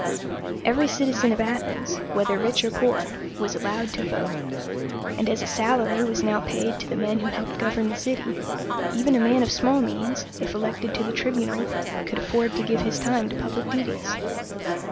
Every citizen of Athens, whether rich or poor, was allowed to vote; and as a salary was now paid to the men who helped govern the city, even a man of small means, if elected to the Tribunal, could afford to give his time to public duties.